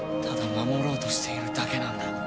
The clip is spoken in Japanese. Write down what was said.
ただ守ろうとしているだけなんだ。